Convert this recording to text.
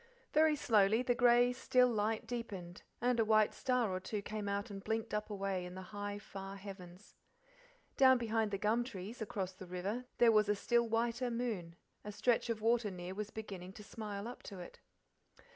Very slowly the grey, still light deepened, and a white star or two came out and blinked up away in the high, far heavens. Down behind the gum trees, across the river, there was a still whiter moon; a stretch of water near was beginning to smile up to it.